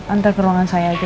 antar ke ruangan saya aja